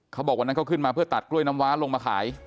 เขาบอกวันนั้นเขาขึ้นมาเพื่อตัดกล้วยน้ำว้าลงมาขาย